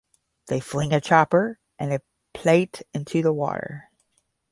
They fling a chopper and a plate into the water.